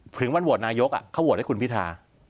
ถึงวันโหวตนายกเขาโหวตให้คุณพิธา